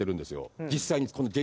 実際に。